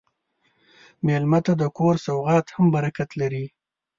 مېلمه ته د کور سوغات هم برکت لري.